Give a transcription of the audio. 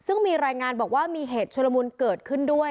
ซึ่งมีรายงานบอกว่ามีเหตุชุลมุนเกิดขึ้นด้วย